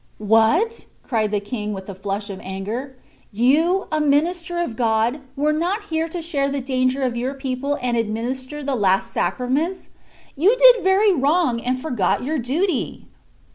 "What!" cried the King, with a flush of anger. "You, a minister of God, were not here to share the danger of your people and administer the last sacraments? You did very wrong and forgot your duty."